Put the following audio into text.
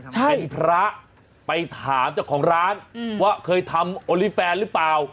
เป็นพระไปถามเจ้าของร้านว่าเคยทำโอลี่แฟนหรือเปล่า